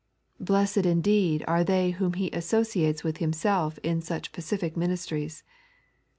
BlesHed indeed are they whom He asso ciates with Himself in such pacific ministries.